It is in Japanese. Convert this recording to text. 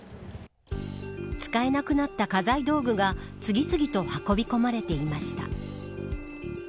使えなくなった家財道具が次々と運び込まれていました。